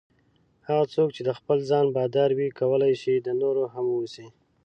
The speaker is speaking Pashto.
هغه څوک چې د خپل ځان بادار وي کولای شي د نورو هم واوسي.